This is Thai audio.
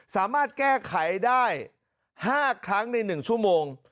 สามารถแก้ไขได้๕ครั้งใน๑ชั่วโมง